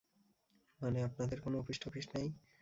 মানে, আপনাদের কোনো অফিস-টফিস নেই?